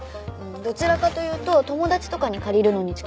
どちらかというと友達とかに借りるのに近い感じ？